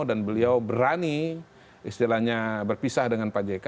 dan beliau berani istilahnya berpisah dengan pak jk